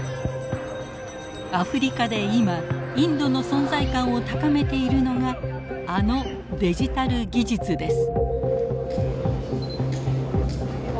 アフリカで今インドの存在感を高めているのがあのデジタル技術です。